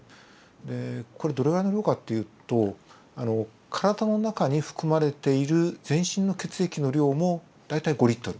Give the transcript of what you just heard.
でこれどれぐらいの量かっていうと体の中に含まれている全身の血液の量も大体５Ｌ。